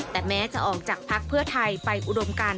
แต่แม้จะออกจากพักเพื่อไทยไปอุดมกัน